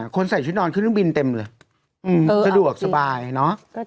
ใส่ชุดนอนขึ้นเครื่องบินเต็มเลยสะดวกสบายเนอะ